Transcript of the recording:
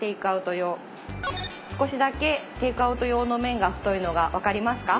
少しだけテイクアウト用の麺が太いのが分かりますか？